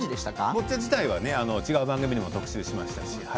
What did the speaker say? ボッチャ自体は違う番組でも特集しましたし。